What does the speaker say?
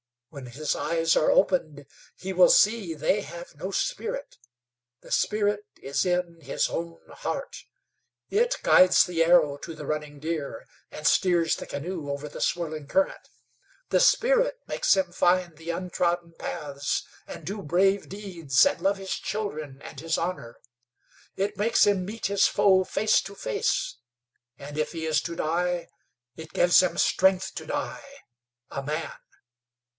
When his eyes are opened he will see they have no spirit. The spirit is in his own heart. It guides the arrow to the running deer, and steers the canoe over the swirling current. The spirit makes him find the untrodden paths, and do brave deeds, and love his children and his honor. It makes him meet his foe face to face, and if he is to die it gives him strength to die a man.